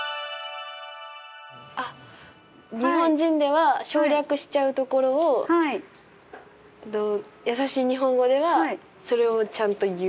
あっ日本人では省略しちゃうところをやさしい日本語ではそれをちゃんと言う。